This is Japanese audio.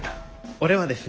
俺はですね